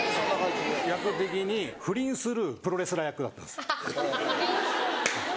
役的に不倫するプロレスラー役だったんですよ。